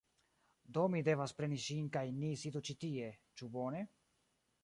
Do mi devas preni ŝin kaj ni sidu ĉi tie. Ĉu bone?